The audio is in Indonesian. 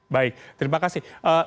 baik terima kasih